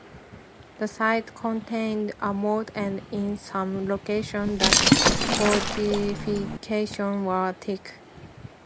The site contained a moat, and in some locations the fortifications were thick.